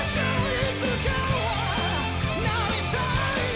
「いつかはなりたい」